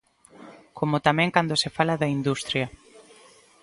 Como tamén cando se fala da industria.